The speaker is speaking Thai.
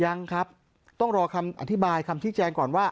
ยังครับต้องรอคำอธิบายคำชี้แจงก่อนว่า